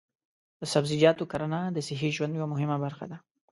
د سبزیجاتو کرنه د صحي ژوند یوه مهمه برخه ده.